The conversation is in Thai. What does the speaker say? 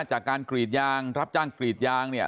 จากการกรีดยางรับจ้างกรีดยางเนี่ย